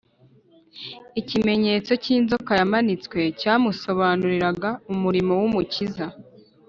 Ikimenyetso cy’inzoka yamanitswe cyamusobanuriraga umurimo w’Umukiza